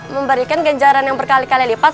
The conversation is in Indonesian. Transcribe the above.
memberikan ganjaran yang berkali kali lipat